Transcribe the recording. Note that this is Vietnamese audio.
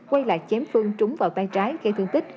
quay lại chém phương trúng vào tay trái gây thương tích